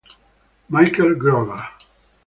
Michael Gruber